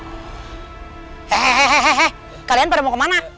hehehe kalian pada mau kemana